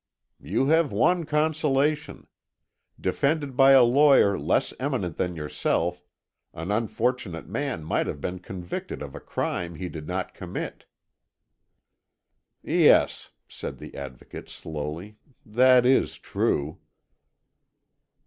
"You have one consolation. Defended by a lawyer less eminent than yourself, an unfortunate man might have been convicted of a crime he did not commit." "Yes," said the Advocate slowly, "that is true."